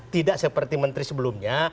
tidak seperti menteri sebelumnya